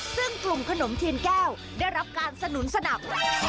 ซึ่งกลุ่มขนมเทียนแก้วได้รับการสนุนสนับ